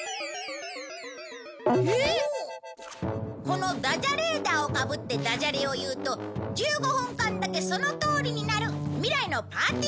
このダジャレーダーをかぶってダジャレを言うと１５分間だけそのとおりになる未来のパーティーグッズなんだ。